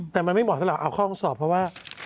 แต่มันไม่เหมาะตลอดเอาข้องสอบเพราะว่า